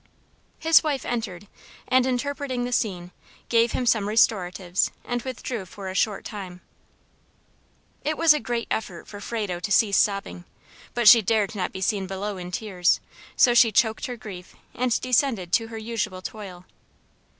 His wife entered, and interpreting the scene, gave him some restoratives, and withdrew for a short time. It was a great effort for Frado to cease sobbing; but she dared not be seen below in tears; so she choked her grief, and descended to her usual toil.